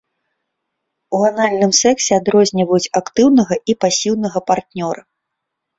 У анальным сексе адрозніваюць актыўнага і пасіўнага партнёра.